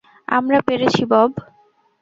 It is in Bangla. আমরা পেরেছি, বব।